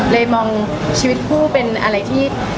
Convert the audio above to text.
เลยมองชีวิตคู่เป็นอะไรที่